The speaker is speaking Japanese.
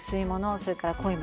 それから濃いもの